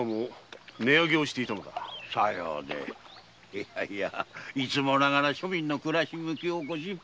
いやいやいつもながら庶民の暮らしむきをご心配なさる。